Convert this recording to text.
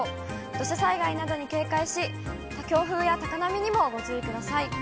土砂災害などに警戒し、強風や高波にもご注意ください。